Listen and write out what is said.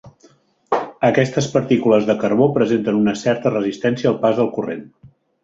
Aquestes partícules de carbó presenten una certa resistència al pas del corrent.